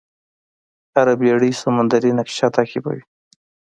هره بېړۍ سمندري نقشه تعقیبوي.